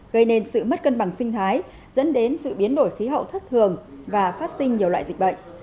gây nên sự mất cân bằng sinh thái dẫn đến sự biến đổi khí hậu thất thường và phát sinh nhiều loại dịch bệnh